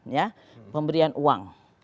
ya pemberian uang